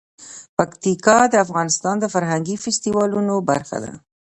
پکتیکا د افغانستان د فرهنګي فستیوالونو برخه ده.